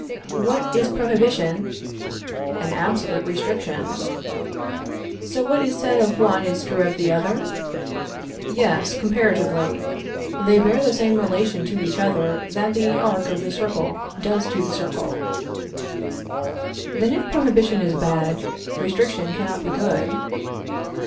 What is prohibition? An absolute restriction. So that what is said of one is true of the other? Yes, comparatively. They bear the same relation to each other that the arc of the circle does to the circle. Then if prohibition is bad, restriction cannot be good.